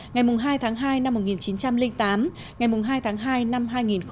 ngày hai tháng hai năm một nghìn chín trăm linh tám ngày hai tháng hai năm hai nghìn một mươi chín